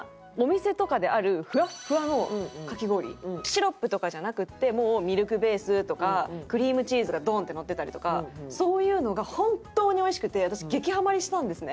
シロップとかじゃなくてもうミルクベースとかクリームチーズがドンってのってたりとかそういうのが本当においしくて私激ハマりしたんですね。